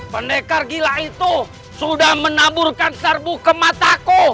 pendekar gila itu sudah menaburkan serbu ke mataku